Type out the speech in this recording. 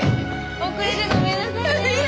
遅れてごめんなさいね。